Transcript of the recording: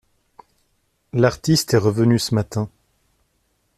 L'artiste est revenu ce matin.